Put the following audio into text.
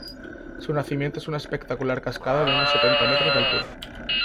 Su nacimiento es una espectacular cascada de unos setenta metros de altura.